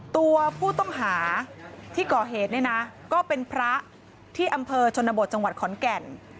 ตัวผู้ต้องหาที่ก่อเหตุเนี่ยนะก็เป็นพระที่อำเภอชนบทจังหวัดขอนแก่น